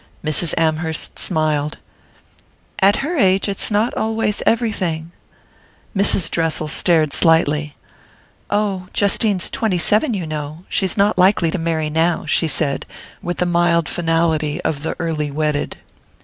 Mrs. Amherst smiled. "At her age, it's not always everything." Mrs. Dressel stared slightly. "Oh, Justine's twenty seven, you know; she's not likely to marry now," she said, with the mild finality of the early wedded.